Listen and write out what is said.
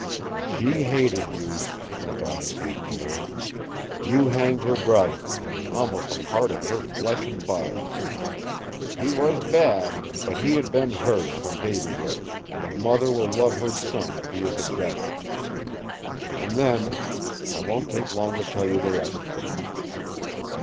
"She hated you," went on St. Pierre. "You hanged her brother, who was almost a part of her flesh and body. He was bad, but he had been hers from babyhood, and a mother will love her son if he is a devil. And then I won't take long to tell the rest of it!